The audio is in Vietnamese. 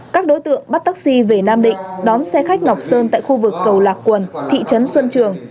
các đối tượng bắt taxi về nam định đón xe khách ngọc sơn tại khu vực cầu lạc quần thị trấn xuân trường